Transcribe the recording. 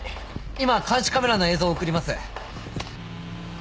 今監視カメラの映像を送ります。